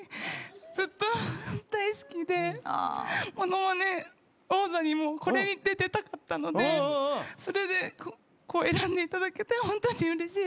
ずっと大好きで『ものまね王座』にもこれに出たかったのでそれで選んでいただけてホントにうれしいです。